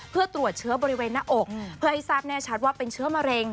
เพื่อตรวจเชื้อบริเวณหน้าอกเพื่อให้ทราบแน่ชัดว่าเป็นเชื้อมะเร็ง